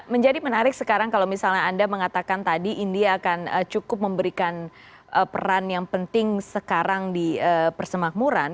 menjadi menarik sekarang kalau misalnya anda mengatakan tadi india akan cukup memberikan peran yang penting sekarang di persemakmuran